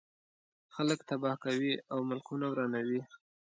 خلک تباه کوي او ملکونه ورانوي.